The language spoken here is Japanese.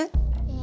え